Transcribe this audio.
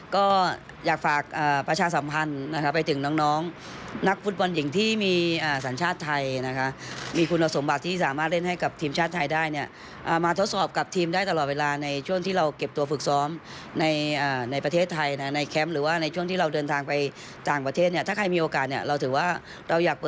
ก็จะทำให้ผลงานได้ดีในการอังคารบอลโลกที่ฝรั่งเศสครับ